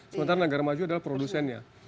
sementara negara maju adalah produsennya